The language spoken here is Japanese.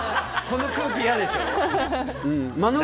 この空気、嫌でしょ。